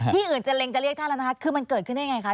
อื่นจะเล็งจะเรียกท่านแล้วนะคะคือมันเกิดขึ้นได้ยังไงคะ